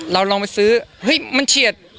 ลองไปซื้อเฮ้ยมันเฉียด